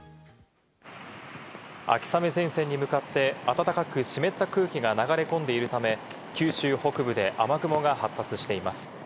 秋雨前線に向かって暖かく湿った空気が流れ込んでいるため、九州北部で雨雲が発達しています。